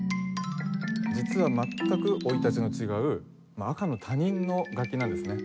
実は全く生い立ちの違う赤の他人の楽器なんですね。